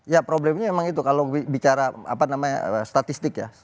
ya problemnya memang itu kalau bicara statistik ya